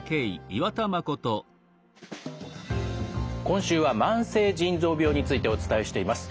今週は「慢性腎臓病」についてお伝えしています。